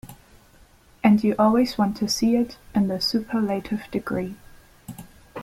And you always want to see it in the superlative degree.